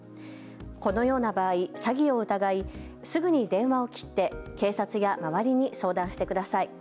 このような場合、詐欺を疑いすぐに電話を切って、警察や周りに相談してください。